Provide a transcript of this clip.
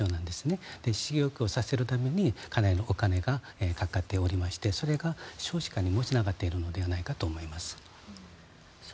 それをさせるためにかなりのお金がかかっておりましてそれが少子化にもつながっているのではないかと思います。